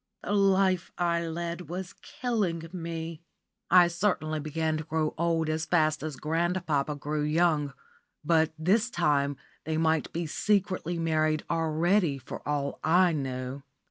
The life I led was killing me. I certainly began to grow old as fast as grandpapa grew young. But this time they might be secretly married already for all I knew.